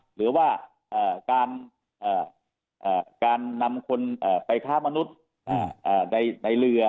หรือว่าการนำคนไปค้ามนุษย์ในเรือ